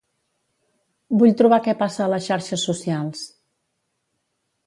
Vull trobar què passa a les xarxes socials.